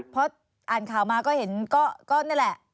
พออ่านข่าวมาก็เห็นก็นี่แหละ